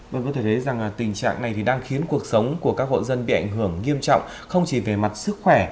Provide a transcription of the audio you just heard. vâng có thể thấy rằng tình trạng này thì đang khiến cuộc sống của các hộ dân bị ảnh hưởng nghiêm trọng không chỉ về mặt sức khỏe